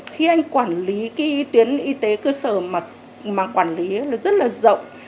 khi anh quản lý cái tuyến y tế cơ sở mà quản lý nó rất là rộng